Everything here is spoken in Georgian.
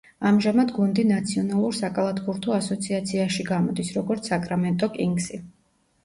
ამჟამად გუნდი ნაციონალურ საკალათბურთო ასოციაციაში გამოდის, როგორც საკრამენტო კინგსი.